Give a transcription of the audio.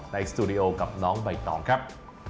สตูดิโอกับน้องใบตองครับ